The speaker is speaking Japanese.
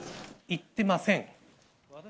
言ってません。